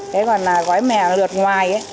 thế còn là gói mè lượt ngoài ấy